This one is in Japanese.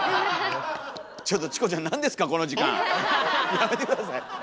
やめて下さい。